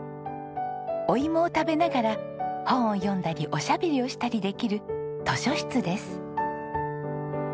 お芋を食べながら本を読んだりおしゃべりをしたりできる図書室です。